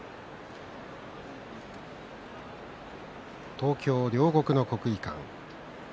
東京・両国の国技館。